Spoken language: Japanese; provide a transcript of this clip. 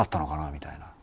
みたいな。